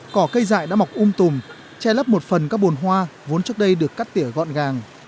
cỏ cây dại đã mọc um tùm che lấp một phần các bồn hoa vốn trước đây được cắt tỉa gọn gàng